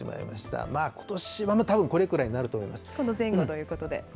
まあことしは、たぶん、これくらその前後ということで。